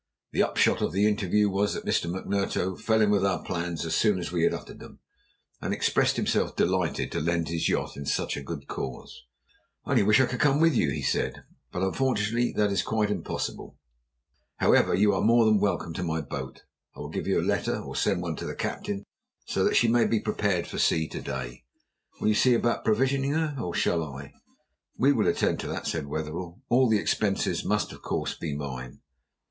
The upshot of the interview was that Mr. McMurtough fell in with our plans as soon as we had uttered them, and expressed himself delighted to lend his yacht in such a good cause. "I only wish I could come with you," he said; "but unfortunately that is quite impossible. However, you are more than welcome to my boat. I will give you a letter, or send one to the Captain, so that she may be prepared for sea to day. Will you see about provisioning her, or shall I?" "We will attend to that," said Wetherell. "All the expenses must of course be mine."